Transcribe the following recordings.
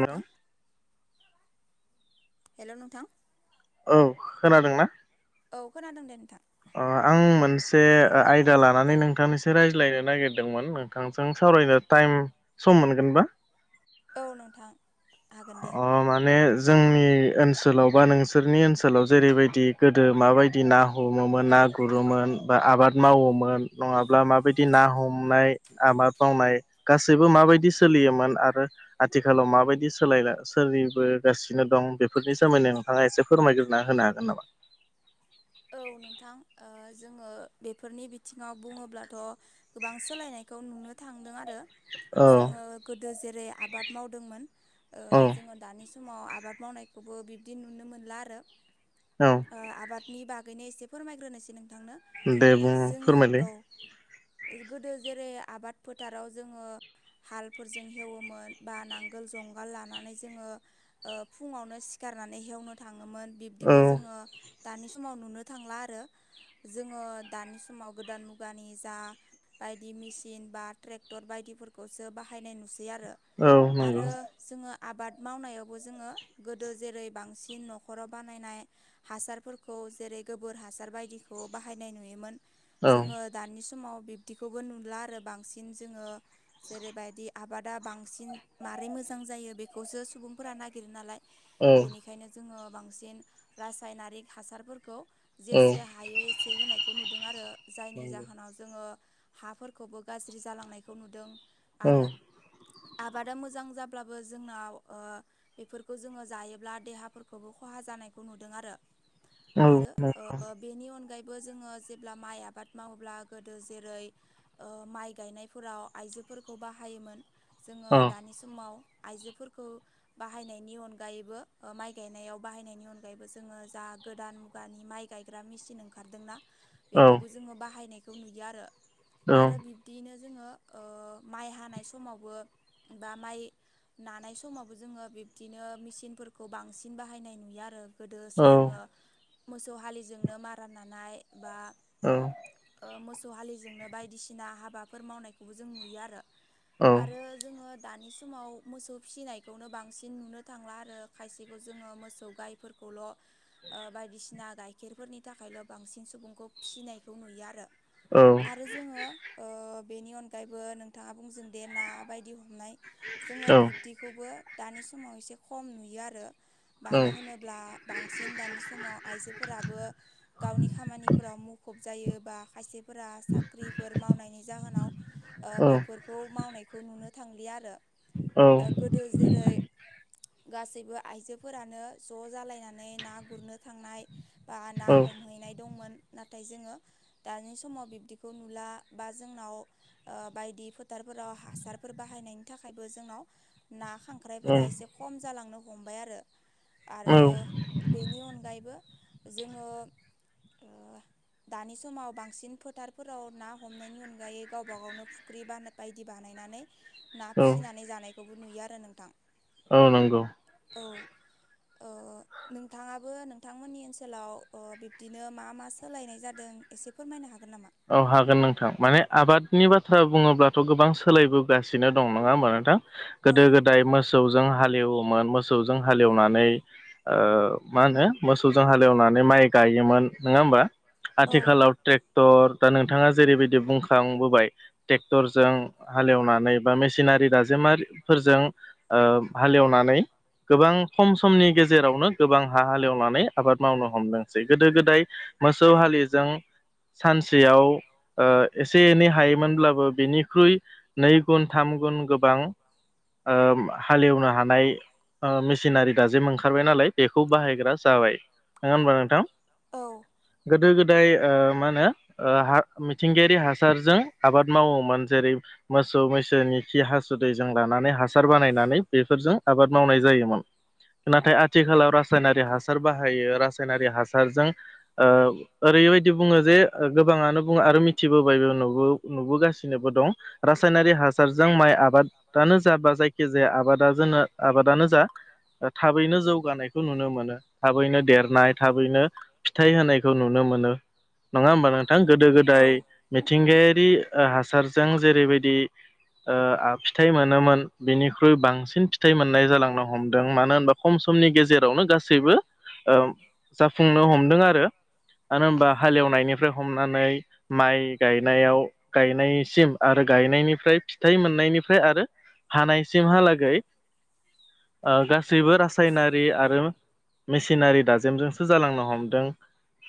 नोंथां हेल' नोंथां औ खोनादोंना औ खोनादों दे नोंथां आं मोनसे आयदा लानानै नोंथांनिस रायज्लायनो नागिरदोंमोन नोंथांजों सावरायनो टाइम सम मोनगोनबा औ नोंथां हागोन दे अ माने जोंनि ओनसोलाव बा नोंसोरनि ओनसोलाव जेरैबायदि गोदो माबायदि बिदि ना हमोमोन ना गुरोमोन बा आबाद मावोमोन नंङाब्ला माबायदि ना हमनाय आबाद मावनाय गासैबो माबायदि सोलियोमोन आरो आथिखालाव माबायदि सोलायला सोलिबोगासिनो दं बेफोरनि सोमोन्दै नोंथांङा एसे फोरमायग्रोना होनो हागोन नामा औ नोंथां जोंङो बेफोरनि बिथिंङाव बुंङोब्लाथ' गोबां सोलायनायखौ नुनो थांदों आरो औ जोंङो गोदो जेरै आबाद मावदोंमोन औ जोंङो दानि समाव समाव आबाद मावनायखौबो बिब्दि नुनो मोनला आरो औ आबादनि बागैनो एसे फोरमायग्रोनोसै नोंथांनो दे बुं जोंङो फोरमायलाय औ गोदो जेरै आबाद फोथाराव जोंङो हालफोरजों हेवोमोन बा नांगोल जुंगाल लानानै जोंङो फुंङावनो सिखारनानै हेवनो थांङोमोन औ बिब्दिखौ जोंङो दानि समाव नुनो थांला आरो जोंङो दानि समाव गोदान मुगानि जा बायदि मेसिन बा ट्रेक्टर बायदिफोरखौसो बाहायनाय नुसै आरो औ नंगौ आरो जोंङो आबाद मावनायावबो जोंङो गोदो जेरै बांसिन न'खराव बानायनाय हासारफोरखौ जेरै गोबोर हासार बायदिखौ बाहायनाय नुयोमोन औ जोंङो दानि समाव बिब्दिखौबो नुला आरो बांसिन जोंङो जेरैबायदि आबादा बांसिन मारै मोजां जायो बेखौसो सुबुंफोरा नागिरो नालाय औ बेनिखायनो जोंङो बांसिन रासायनारिक हासारफोरखौ औ जेसे हायो एसे होनायखौ नुदों आरो जायनि नंगौ जाहोनाव जोंङो हाफोरखौबो गाज्रि जालांनायखौ नुदों औ आरो आबादा मोजां जाब्लाबो जोंनाव ओ बेफोरखौ जोंङो जायोब्ला देहाफोरखौबो खहा जानायखौ नुदों आरो आरो नंगौ बेनि अनगायैबो जोंङो जेब्ला माइ आबाद मावोब्ला गोदो जेरै ओ माइ गायनायफोराव आइजोफोरखौ बाहायोमोन जोंङो औ दानि समाव आइजोफोरखौ बाहायनायनि अनगायैबो माइ गायनायाव बाहायनायनि अनगायैबो जोंङो जा गोदान मुगानि माइ गायग्रा मेसिन ओंखारदोंना औ बेखौ जोंङो बाहायनायखौ नुयो आरो औ आरो बिब बिदिनो जोंङो ओ माइ हानाय समावबो बा माइ नानाय समावबो जोंङो बिब्दिनो मेचिनफोरखौ बांसिन बाहायनाय नुयो आरो गोदोसो जोंङो मोसौ हलिजोंनो मारा नानाय बा मोसौ हलिजोंनो बायदिसिना हाबाफोर मावनायखौबो जों नुयो आरो आरो जोंङो दानि समाव मोसौ फिसिनायखौनो बांसिन नुनो थांला आरो खायसेखौ जोंङो मोसौ गायफोरखौ खौल' ओ बायदिसिना गाइखेरफोरनि थाखायल' बांसिन सुबुंखौ फिसिनायखौ नुयो आरो औ आरो जोंङो बेनि अनगायैबो नोंथांङा बुंजों दे ना बायदि हमनाय जोंङो बिब्दिखौबो दानि समाव एसे खम नुयो आरो मानो होनोब ब्ला बांसिन दानि समाव आइजोफोराबो गावनि खामानिफोराव मुखुब जायोबा खायसे फोरा साख्रिफोर मावनायनि जाहोनाव बा बे खौ मावनायखौ नुनो थांलि आरो ओ गो दो जेरै गासैबो आइजोफोरानो ज' जालायनानै ना गुर गुरनो थांनाय बा ना औ हमहैनाय दंमोन नाथाय जोङो दानि समाव बिब्दिखौ नुला बा जोंनाव बायदि फोथारफोराव हासारफोर बाहायनायनि थाखायबो जोंनाव ना खांख्राइफोरा एसे खम जालांनो हमबाय आरो आरो बेनि अनगायैबो जोङो ओ [inaudible] दानि समाव बांसिन फोथारफोराव ना हमनायनि अनगायै गावबा गावनो फुख्रि बा बायदि बानायनानै ना औ फिसिनानै जानायखौबो नुयो आरो नोंथां। औ नंगौ। औ ओ। नोंथाङाबो नोंथांमोननि ओनसोलाव ओ बिब्दिनो मा मा सोलायनाय जादों एसे फोरमायनो हागोन नामा? औ हागोन नोंथां माने आबादनि बाथ्रा बुङोब्लाथ' गोबां सोलायबोगासिनो दं नङा होमबा नोंथां। औ गोदो गोदाय मोसौजों हालेवोमोन मोसौजों हालेवनानै ओ मा होनो मोसौजों हालेवनानै माइ गायोमोन नोंङा होमबा। औ आथिखालाव ट्रेक्टर दा नोंथाङा जेरैबायदि बुंखांबोबाय। टेक्टरजों हालेवनानै बा मेसिनारि दाजेमारिफोरजों ओ हालेवनानै गोबां खम समनि गेजेरावनो गोबां हा हालेवनानै आबाद मावनो हमदोंसै गोदो गोदाय मोसौ हालिजों सानस सेयाव ओ एसे एनै हायोमोनब्लाबो बेनिख्रुइ नै गुन थाम गुन गोबां ओम हालेवनो हानाय ओ मेसिनारि दाजेम ओंखारबाय नालाय बेखौ बाहायग्रा जाबाय नङा होनबा नोंथां। औ। गोदो गोदाय ओ मा होनो। ओ हा मिथिंगायारि हासारजों आबाद मावोमोन जेरै मोसौ मैसोनि खि हासुदैजों लानानै हासार बानायनानै बेफोरजों आबाद मावनाय जायोमोन। नाथाय आथिखालाव रासायनारि हासार बाहायो रासायनारि हासारजों ओ ओरैबायदि बुङो जे गोबाङानो बुङो आरो मिथिबोबायबो नुबो नुबोगासिनोबो दं। रासायनारि हासारजों माइ आबादानो जाबा जायखिजाया आबादा जोंनो आबादानो जा थाबैनो जौगानायखौ नुनो मोनो थाबैनो देरनाय थाबैनो फिथाइ होनायखौ नुनो मोनो। नङा होमबा नोंथां गोदो औ गोदाय मिथिंगायारि ओ हासारजों जेरैबायदि ओ आ फिथाइ मोनोमोन बिनिख्रुइ बांसिन फिथाइ मोननाय जालांनो हमदों मानो होनबा खम समनि गेजेरावनो गासैबो ओम जाफुंनो हमदों आरो। मानो होनबा हालेवनायनिफ्राय हमनानै माइ गायनायाव गायनायसिम आरो गायनायनिफ्राय फिथाइ मोननायनिफ्राय आरो हानायसिमहालागै ओ गासैबो रासायनारि आरो मेसिनारि दाजेमजोंसो जालांनो हमदों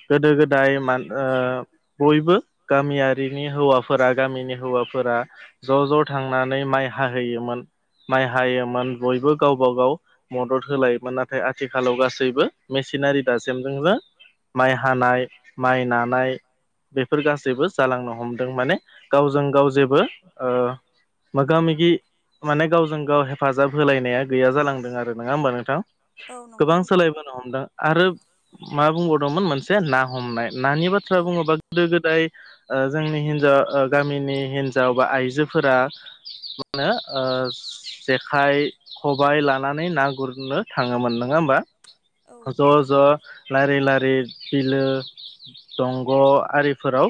गोदो गोदाय मान ओ बयबो गामियारिनि हौवाफोरा गामिनि हौवाफोरा ज' ज' थांनानै माइ हाहैयोमोन माइ हायोमोन बयबो गावबा गाव मदद होलायोमोन नाथाय आथिखालाव गासैबो मेसिनारि दाजेमजोंनो माइ हानाय माइ ना नाय बेफोर गासैबो जालांनो हमदों। माने गावजों गाव जेबो ओ मोगा मोगि माने गावजों गाव हेफाजाब होलायनाया गैया जालांदों आरो नङा होमबा नोंथां। औ नंगौ गोबां सोलाय मोन नोहमदों आरो मा बुंबावदोंमोन मोनसे ना हमनाय नानि बाथ्रा औ बुङोबा दो गोदाय ओ जोंनि हिनजाव ओ गामिनि हिनजाव बा आइजोफोरा मा होनो ओ जेखाइ खबायाइ लानानै ना गुरनो थाङोमोन नङा होमबा? औ ज' ज' लारि लारि बिलो दंग' आरिफोराव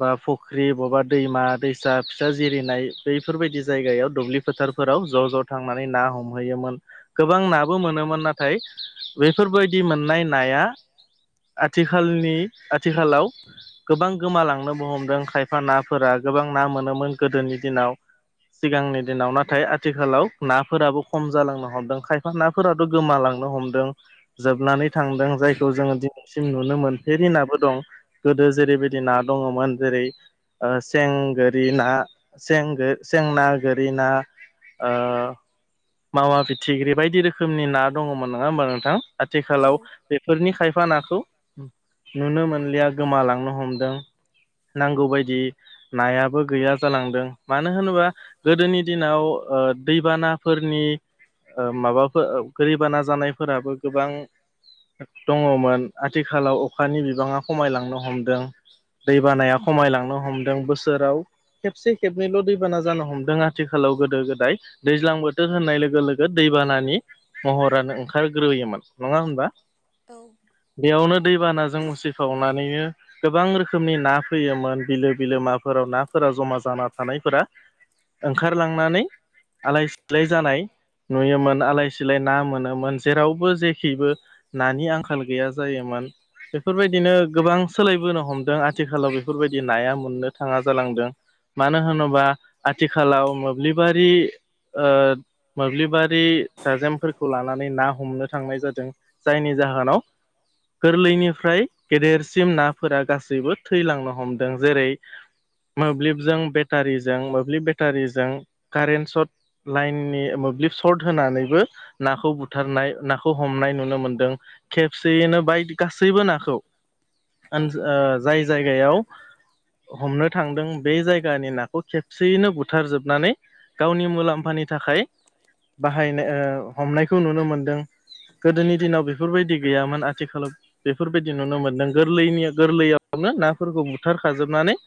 बा फुख्रि बबबा दैमा दैसा फिसा जिरिनाय बैफोरबायदि जायगायाव दुब्लि फोथारफोराव ज' ज' थांनानै ना हमहैयोमोन। गोबां नाबो मोनोमोन। नाथाय बैफोरबायदि मोननाय नाया आथिखालनि आथिखालाव गोबां गोमालांनोबो हमदों। खायफा नाफोरा गोबां ना मोनोमोन गोदोनि दिनाव सिगांनि दिनाव नाथाय आथिखालाव नाफोराबो खम जालांनो हमदों। खायफा ना फोरथ' गोमालांनो हमदों। जोबनानै थांदों जायखौ जोङो दिनैसिम नुनो मोनफेरि ना बोदं गोदो जेरै बायदि ना दङमोन। जेरै ओ सें गोरि ना सें गो ना गोरि ना ओ मा मा फिथिख्रि बायदि रोखोमनि ना दङमोन नङा होमबा नोंथां। आथिखालाव बेफोरनि खायफा नाखौ नुनो मोनलिया गोमालांनो हमदों। नांगौ बायदि नायाबो गैया जालांदों। मानो होनोबा गोदोनि दिनाव ओ दै बानाफोरनि ओ माबाफो ओ ग्रोयबाना जानायफोराबो गोबां दङमोन। आथिखालाव अखानि बिबाङा खमायलांनो हमदों। दैबानाया खमायलांनो हमदों। बोसोराव खेबसे खेबनैल' दैबाना जानो हमदों। आथिखालाव गोदो गोदाय दैज्लां बोथोर होननाय लोगो लोगो दैबानानि महरानो ओंखारग्रोयोमोन नङा होमबा? औ बेयावनो दैबानाजों उसिफावनानैनो गोबां रोखोमनि ना फैयोमोन। बिलो बिलो माफोराव नाफोरा ज'मा जाना थानायफोरा ओंखारलांनानै आलाय सिलाय जानाय नुयोमोन आलाय सिलाय ना मोनोमोन। जेरावबो जेखैबो नानि आंखाल गैया जायोमोन। बेफोरबायदिनो गोबां सोलायबोनो हमदों। आथिखालाव बेफोरबायदि नाया मोननो थाङा जालांदों। मानो होनोबा आथिखालाव मोब्लिबारि ओ मोब्लिबारि दाजेमफोरखौ लानानै ना हमनो थांनाय जादों। जायनि जाहोनाव गोरलैनिफ्राय गेदेरसिम नाफोरा गासैबो थैलांनो हमदों। जेरै मोब्लिबजों बेटारिजों मोब्लिब बेटारिजों कारेन्ट स'ट लाइननि मोब्लिब सर्ट होनानैबो नाखौ बुथारनाय नाखौ हमनाय नुनो मोनदों। खेबसेयैनो बायदि गासैबो नाखौ औ ओन ओ जाय जायगायाव हमनो थांदों। बे जायगानि नाखौ खेबसेयैनो बुथारजोबनानै गावनि मुलाम्फानि थाखाय बाहायनो ओ हमनायखौ नुनो मोनदों। गोदोनि दिनाव बेफोरबायदि गैयामोन आथिखालाव बेफोरबायदि नुनो मोन्दों। गोरलैनि गोरलैयावनो नाफोरखौ बुथारखाजोबनानै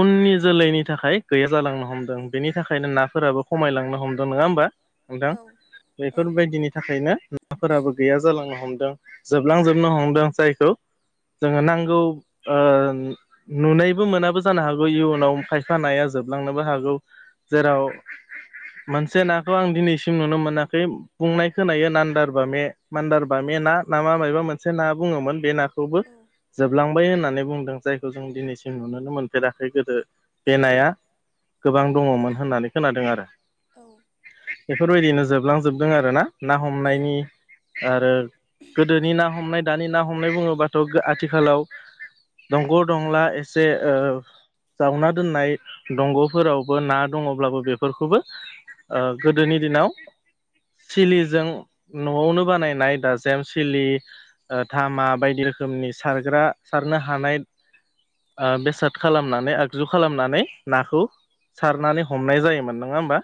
उननि जोलैनि थाखाय गैया जालांनो हमदों। बेनि थाखायनो नाफोराबो खमायलांनो हमदों नङा होमबा? नोंथां औ बेफोरबायदिनि थाखायनो नाफोराबो गैया जालांनो हमदों। जोबलांजोबनो हमदों जायखौ जोङो नांगौ ओ नुनायबो मोनाबो जानो हागौ इयुनाव खायफा नाया जोबलांनोबो हागौ। जेराव मोनसे नाखौ आं दिनैसिम नुनो मोनाखै बुंनाय खोनायो नान्दारब मे मान्दार बामे ना ना मा मबा मोनसे ना बुङोमोन बे नाखौबो। जोबलांबाय होननानै बुंदों। जायखौ जों दिनैसिम नुनो मोनफेराखै गोदो बेनाया गोबां दङमोन होननानै खोनादों आरो। औ बेफोरबायदिनो जोबलांजोबदों आरो ना ना औ हमनायनि आरो गोदोनि ना हमनाय दानि ना हमनाय बुङोबाथ' आथिखालाव दंग' दंला एसे ओ जावना दोननाय दंग'फोरावबो ना दङब्लाबो बेफोरखौबो ओ गोदोनि दिनाव सिलिजों न'आवनो बानायनाय दाजेम सिलि ओ धामा बायदि रोखोमनि सारग्रा सारनो हानाय। ओ बेसाद खालामनानै आगजु खालामनानै नाखौ सारनानै हमनाय जायोमोन नङा होमबा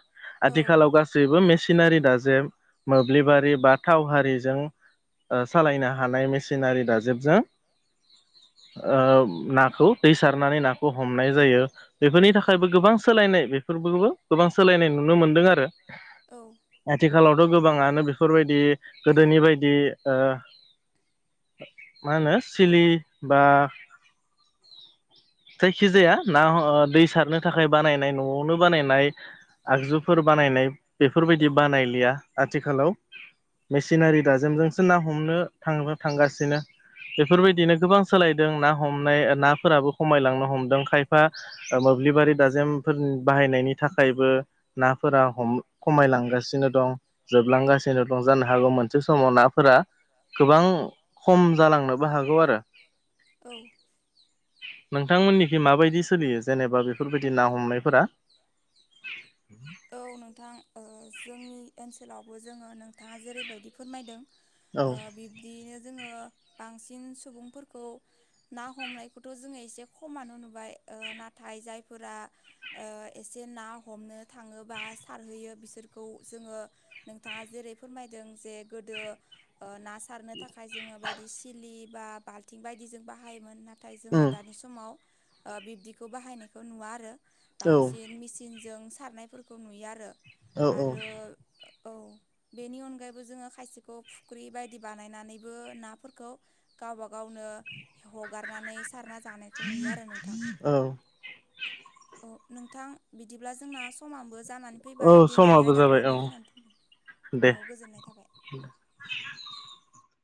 औ आथिखालाव गास जेबो मेसिनारि दाजे मोब्लिबारि बा थाव हारिजों सालायनो हा हानाय मेसिनारि दाजेबजों ओ नाखौ दै सारनानै नाखौ हमनाय जायो। बेफोरनि थाखायबो गोबां सोलायनाय बेफोरफोरखौबो गोबां सोलायनाय नुनो मोनदों आरो। औ। आथिखालावथ' गोबाङानो बेफोरबायदि गोदोनि बायदि ओ मा होनो सिलि बा जायखिजाया ना ओ दै सारनो थाखाय बानायनाय न'आवनो बानायनाय। आगजुफोर बानायनाय बेफोरबायदि बानायलिया आथिखालाव। मेसिनारि दाजेमजोंसो ना हमनो थां थांगासिनो। बेफोरबायदिनो गोबां सोलायदों ना हमनाय नाफोराबो। खमायलांनो हमदों खायफा मोब्लिबारि दाजेमफोर बाहायनायनि नि थाखायबो नाफोराम खमायलांगासिनो दं। जोबलांगासिनो दं जानो हागौ मोनसे समाव नाफोरा। गोबां खम जालांनोबो हागौ आरो। औ। नोंथांमोननिखि माबायदि सोलियो जेनेबा बेफोरबायदि ना हमनायफोरा। औ नोंथां ओ जोंनि ओनसोलावबो जोङो नोंथाङा जेरैबायदि फोरमायदों। औ ओ बिब्दियैनो जोङो बांसिन सुबुंफोरखौ ना हमनायखौथ' जोङो एसे खमानो नुबाय। ओ नाथाय जायफोरा ओ एसे ना हमनो थाङो बा सारहैयो बिसोरखौ जोङो नोंथाङा जेरै फोरमायदों जे गोदो ओ नास सारनो थाखाय जोङो बायदि सिलि बा बाल्थिं बायदि जों बाहायोमोन नाथाय जोङो उम दानि सम समाव ओ बिदिखौ बाहायनायखौ नुवा आरो औ बांसिन मसिनजों सारनाय बेखौ नुयो आरो। औ औ आरो औ। बेनि अनगायैबो जोङो खायसेखौ फुख्रि बायदि बानायनानैबो नाफोरखौ गावब गावनो हगारनानै सारना जानायखौ नुयो आरो नोंथां। औ औ नोंथां बिदिब्ला जोंना समानोबो जानानैै औ फैबाय दिनैनि समाबो जाबाय आयदाखौ औ बेखिनियानो दे बुंदों औ गोजोननाय थाबाय।